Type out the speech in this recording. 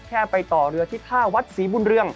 แค่ไปต่อเรือที่ท่าวัดศรีบุญเรือง